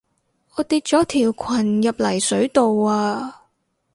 我跌咗條裙入泥水度啊